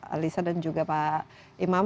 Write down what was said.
alisa dan juga pak imam